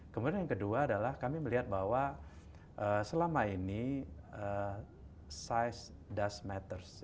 kemudian yang kedua adalah kami melihat bahwa selama ini size das matters